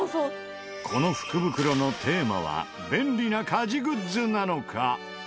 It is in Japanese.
この福袋のテーマは便利な家事グッズなのか？